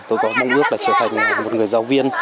tôi có mong ước là trở thành một người giáo viên